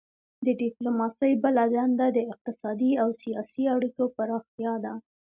د ډیپلوماسي بله دنده د اقتصادي او سیاسي اړیکو پراختیا ده